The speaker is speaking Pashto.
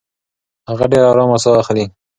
هغه ډېره ارامه ساه اخلي.